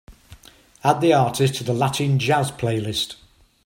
Add the artist to the Latin Jazz playlist.